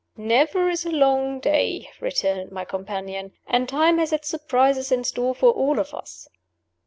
"Never is a long day," returned my companion. "And time has its surprises in store for all of us."